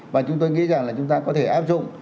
và chúng tôi nghĩ rằng là chúng ta có thể áp dụng